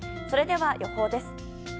それでは、予報です。